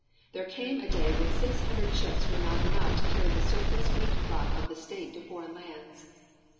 There came a day when six hundred ships were not enough to carry the surplus wheat crop of the state to foreign lands.